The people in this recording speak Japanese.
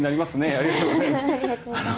ありがとうございます。